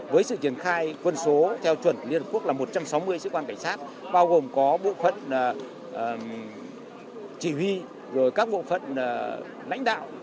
với sự triển khai quân số theo chuẩn của liên hợp quốc là một trăm sáu mươi sĩ quan cảnh sát bao gồm có bộ phận chỉ huy các bộ phận lãnh đạo